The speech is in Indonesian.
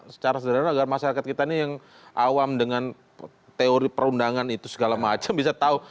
secara sederhana agar masyarakat kita ini yang awam dengan teori perundangan itu segala macam bisa tahu